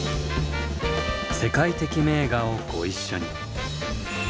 世界的名画をご一緒に。